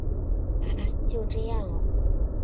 啊！就这样喔